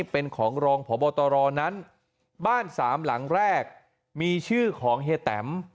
เป็นของรองพบตรนั้นบ้านสามหลังแรกมีชื่อของเฮียแตม